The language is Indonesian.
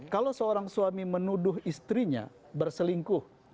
kalau seorang suami menuduh istrinya berselingkuh